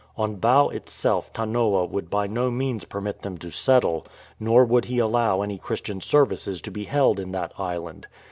On Bau itself Tanoa would by 31S THE MAN HUNTERS no means permit them to settle, nor would he allow any Christian services to be held in that island.